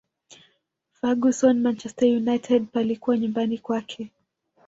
ferguson manchester united palikuwa nyumbani kwake